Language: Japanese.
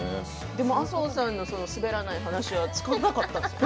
でも、麻生さんのその、すべらない話は使わなかったって。